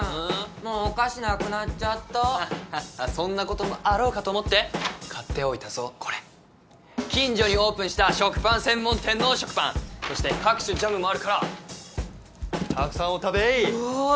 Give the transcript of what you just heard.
もうお菓子なくなっちゃったはっはっはっそんなこともあろうかと思って買っておいたぞこれ近所にオープンした食パン専門店の食パンそして各種ジャムもあるからたくさんお食べわあー